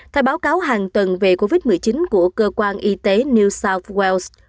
theo báo cáo hàng tuần về covid một mươi chín của cơ quan y tế new south wells